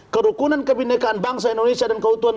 kerukunan kebinekaan bangsa indonesia dan keutuhan